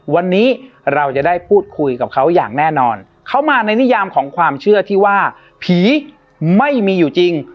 วันนี้เราจะได้พูดคุยกับเขาอย่างแน่นอนเขามาในนิยามของความเชื่อที่ว่าผีไม่มีอยู่จริง